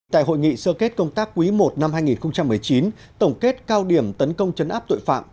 tại hội nghị sơ kết công tác quý i năm hai nghìn một mươi chín tổng kết cao điểm tấn công chấn áp tội phạm